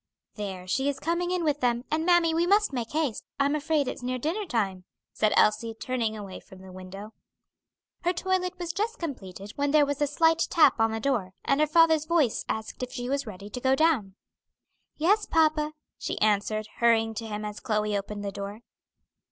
"There, she is coming in with them, and, mammy, we must make haste. I'm afraid it's near dinner time," said Elsie, turning away from the window. Her toilet was just completed when there was a slight tap on the door, and her father's voice asked if she was ready to go down. "Yes, papa," she answered, hurrying to him as Chloe opened the door.